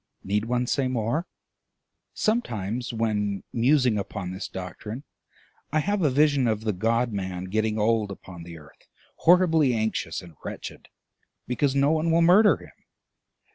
Need one say more? Sometimes, when musing upon this doctrine, I have a vision of the God man getting old upon the earth, horribly anxious and wretched, because no one will murder him.